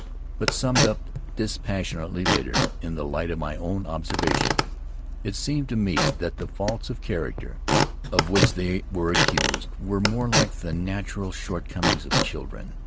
But summed up dispassionately later, in the light of my own observa tions, it seemed to me that the faults of character of which they were accused were more like the natural shortcomings of children.